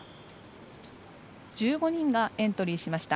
１５人がエントリーしました。